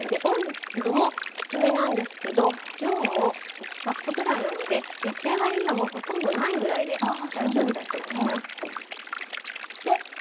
温度も低めなんですけど量も１カップぐらいなので焼き上がりにはほとんどないぐらいで大丈夫だと思います。